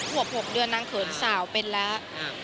ขวบ๖เดือนนางเขินสาวเป็นแล้ว